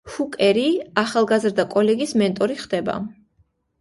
ჰუკერი ახალგაზრდა კოლეგის მენტორი ხდება.